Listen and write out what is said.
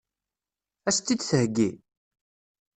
Ad as-tt-id-theggi?